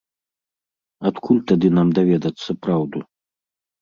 Адкуль тады нам даведацца праўду?